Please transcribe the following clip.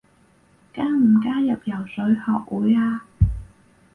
加唔加入游水學會啊？